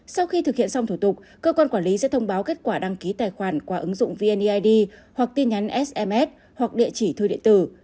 sau khi thực hiện xong thủ tục cơ quan quản lý sẽ thông báo kết quả đăng ký tài khoản qua ứng dụng vneid hoặc tin nhắn sms hoặc địa chỉ thư điện tử